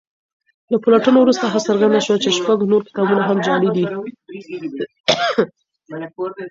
له پلټنو وروسته څرګنده شوه چې شپږ نور کتابونه هم جعلي دي.